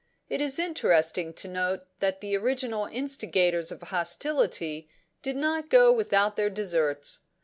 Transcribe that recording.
It is interesting to note that the original instigators of hostility did not go without their deserts.